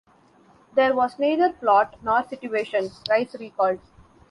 "There was neither plot nor situation," Rice recalled.